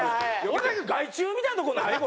俺だけ害虫みたいなとこない？